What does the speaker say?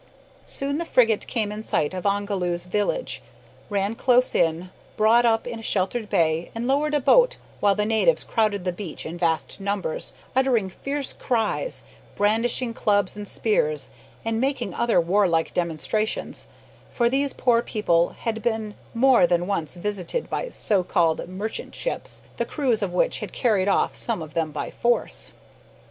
Soon the frigate came in sight of Ongoloo's village, ran close in, brought up in a sheltered bay, and lowered a boat while the natives crowded the beach in vast numbers, uttering fierce cries, brandishing clubs and spears, and making other warlike demonstrations for these poor people had been more than once visited by so called merchant ships the crews of which had carried off some of them by force.